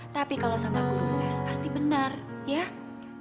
tapi kalo sama guru les pasti bener ya